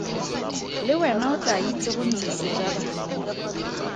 Le wena o tlaa itse go ntsha sejabana.